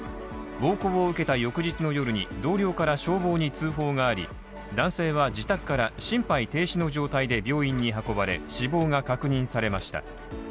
暴行を受けた翌日の夜に同僚から消防に通報があり男性は自宅から心肺停止の状態で病院に運ばれ死亡が確認されました。